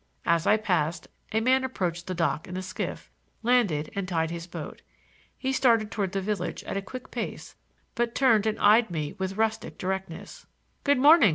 As I passed, a man approached the dock in a skiff, landed and tied his boat. He started toward the village at a quick pace, but turned and eyed me with rustic directness. "Good morning!"